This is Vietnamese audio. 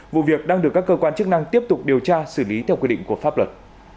vụ việc đang được các cơ quan chức năng tiếp tục điều tra xử lý theo quy định của pháp luật